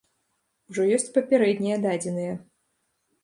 Ужо ёсць папярэднія дадзеныя.